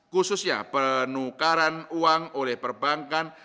khususnya penukaran uang oleh perbankan